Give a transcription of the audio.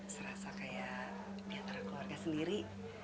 serasa kayak di antara keluarga sendiri